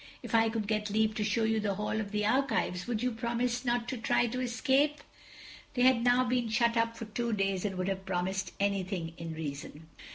"If I could get leave to show you the Hall of the Archives, would you promise not to try to escape?" They had now been shut up for two days and would have promised anything in reason.